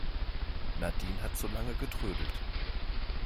Nadine hat zu lange getrödelt.